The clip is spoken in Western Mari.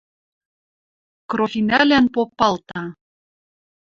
Крофинӓлӓн попалта: